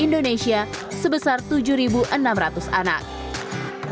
kementerian sosial mencatat anak jalanan menjadi problematika utama di jakarta dengan jumlah terbanyak di sekolah